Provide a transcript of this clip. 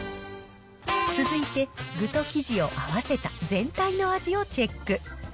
続いて、具と生地を合わせた全体の味をチェック。